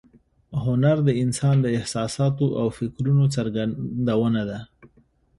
هنر د انسان د احساساتو او فکرونو څرګندونه ده